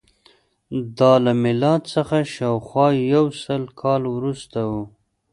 دا له میلاد څخه شاوخوا یو سل کاله وروسته وه